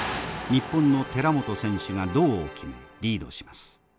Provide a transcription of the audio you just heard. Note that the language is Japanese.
日本の寺本選手が胴を決めリードします。